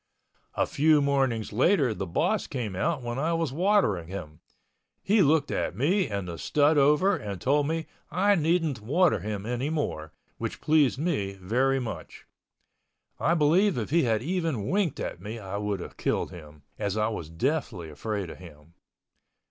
A few mornings later the boss came out when I was watering him. He looked me and the stud over and told me I needn't water him anymore, which pleased me very much. I believe if he had even winked at me I would have killed him, as I was deathly afraid of him.